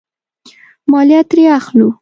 مالیه ترې اخلو.